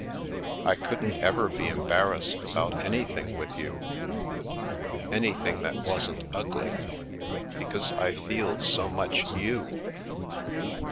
I couldn't ever be embarrassed about anything with you, anything that wasn't ugly, be cause I feel so much you.